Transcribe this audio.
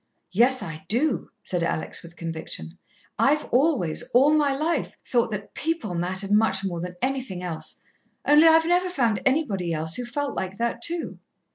"Yes, I do," said Alex with conviction. "I've always, all my life, thought that people mattered much more than anything else, only I've never found anybody else who felt like that too."